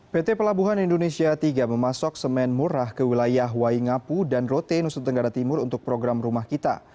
pt pelabuhan indonesia tiga memasuk semen murah ke wilayah waingapu dan rote nusa tenggara timur untuk program rumah kita